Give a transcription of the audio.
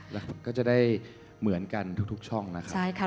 แล้วก็จะได้เหมือนกันทุกช่องนะครับ